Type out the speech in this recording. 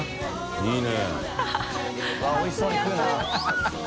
いいね！